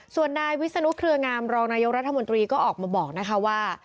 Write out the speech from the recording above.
ส่วนนายวิศนุเครืองามรองนายกรัฐมนตรีก็ออกมาบอกนะคะว่า